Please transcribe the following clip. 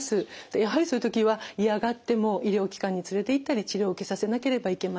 やはりそういう時は嫌がっても医療機関に連れていったり治療を受けさせなければいけません。